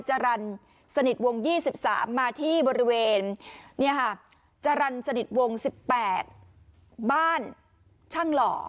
จรรย์สนิทวง๒๓มาที่บริเวณจรรย์สนิทวง๑๘บ้านช่างหล่อ